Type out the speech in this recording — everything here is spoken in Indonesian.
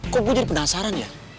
kok bu jadi penasaran ya